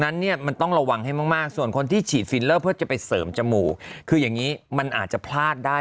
นั้นเนี่ยมันต้องระวังให้มากส่วนคนที่ฉีดฟิลเลอร์เพื่อจะไปเสริมจมูกคืออย่างนี้มันอาจจะพลาดได้